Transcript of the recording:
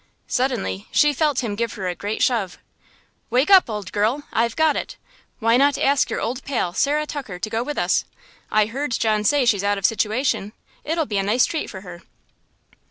Suddenly she felt him give her a great shove. "Wake up, old girl, I've got it. Why not ask your old pal, Sarah Tucker, to go with us? I heard John say she's out of situation. It'll be a nice treat for her."